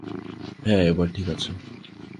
হ্যাঁ, এবার ঠিক আছে।